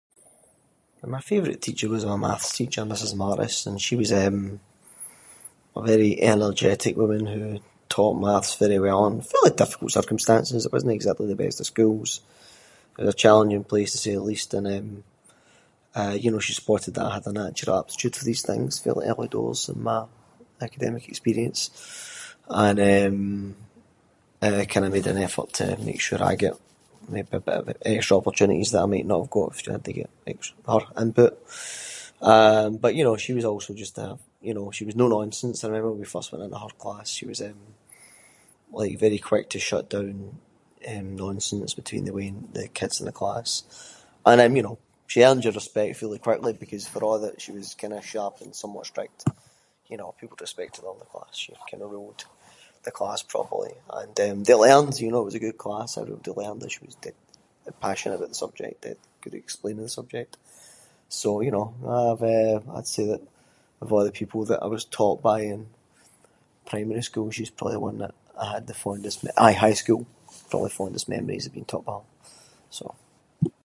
My favourite teacher was my maths teacher, Mrs Marris, and she was eh, a very energetic woman, who taught maths very well and- fairly difficult circumstances. It wasnae exactly the best of schools. It was a challenging place to say the least and eh, eh, you know she spotted that I had a natural aptitude for these things fairly early doors in my academic experience. And eh, eh kind of made an effort to make sure I got, maybe a bit of extra opportunities that I might not of got if she hadnae given ext- her input. Eh but you know, she was also just a- you know, she was no nonsense. I remember when we first went into her class, she was eh like very quick to shut down eh nonsense between the wean- the kids in the class. And eh you know, she earned your respect fairly quickly, because for a’ that she was kind of sharp and somewhat strict, you know people respected her in the class. She kind of ruled the class properly and eh they learned, you know, it was a good class, everybody learned that she was- she was passionate about the subject, good at explaining the subject. So, you know, I’ve eh, I’d say that of a’ the people that I was taught by in primary school she was probably the one that I had the fondest mem- aye high school- probably the fondest memories of being taught by her, so.